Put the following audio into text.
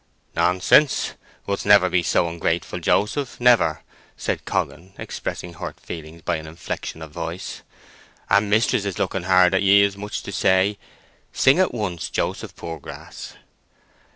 "Nonsense; wou'st never be so ungrateful, Joseph—never!" said Coggan, expressing hurt feelings by an inflection of voice. "And mistress is looking hard at ye, as much as to say, 'Sing at once, Joseph Poorgrass.